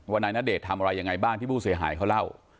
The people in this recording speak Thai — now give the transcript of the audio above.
นายณเดชน์ทำอะไรยังไงบ้างที่ผู้เสียหายเขาเล่า